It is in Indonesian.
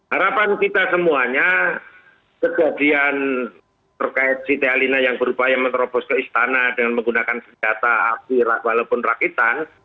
harapan kita semuanya kejadian terkait siti elina yang berupaya menerobos ke istana dengan menggunakan senjata api walaupun rakitan